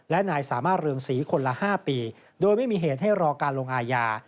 และนายสามารถเรืองศรีคนละ๕ปีโดยไม่มีเหตุให้รอการลงอาญา